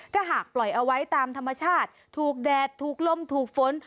ถ้าหากปล่อยเอาไว้ตามธรรมชาติถูกแดดถูกลมถูกฝน